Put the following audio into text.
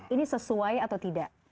ini sesuai atau tidak